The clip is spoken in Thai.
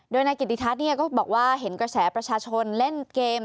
โดยนายกิติทัศน์ก็บอกว่าเห็นกระแสประชาชนเล่นเกม